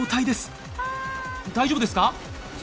大丈夫ですか？